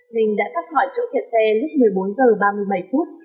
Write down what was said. mình đã thắc mỏi chỗ kẹt xe lúc một mươi bốn h ba mươi bảy phút